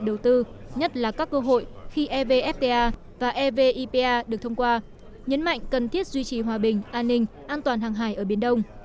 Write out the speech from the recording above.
đối với các cơ hội khi evfta và evipa được thông qua nhấn mạnh cần thiết duy trì hòa bình an ninh an toàn hàng hải ở biển đông